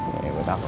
nih buat aku